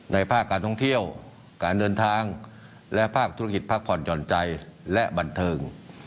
ภาคการท่องเที่ยวการเดินทางและภาคธุรกิจพักผ่อนหย่อนใจและบันเทิง